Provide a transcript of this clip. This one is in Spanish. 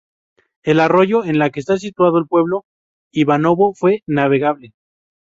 El arroyo en la que está situado el pueblo Ivanovo fue navegable.